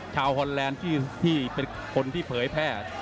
ฮอนแลนด์ที่เป็นคนที่เผยแพร่